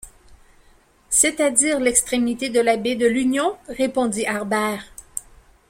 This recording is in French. C’est-à-dire l’extrémité de la baie de l’Union? répondit Harbert